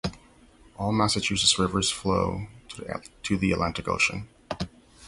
All Massachusetts rivers flow to the Atlantic Ocean.